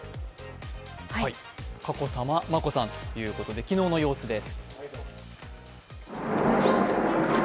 佳子さま、眞子さんということで、昨日の様子です。